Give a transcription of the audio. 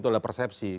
itu adalah persepsi